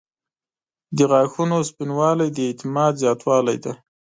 • د غاښونو سپینوالی د اعتماد زیاتوالی دی.